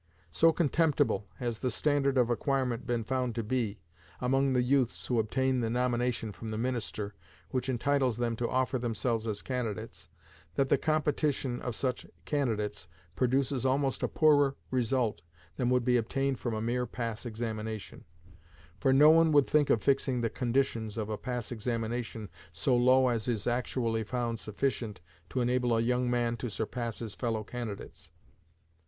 So contemptible has the standard of acquirement been found to be, among the youths who obtain the nomination from the minister, which entitles them to offer themselves as candidates, that the competition of such candidates produces almost a poorer result than would be obtained from a mere pass examination; for no one would think of fixing the conditions of a pass examination so low as is actually found sufficient to enable a young man to surpass his fellow candidates.